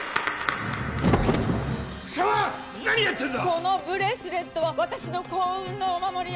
このブレスレットは私の幸運のお守りよ！